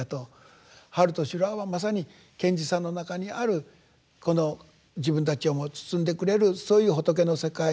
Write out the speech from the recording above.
「春と修羅」はまさに賢治さんの中にあるこの自分たちをも包んでくれるそういう仏の世界。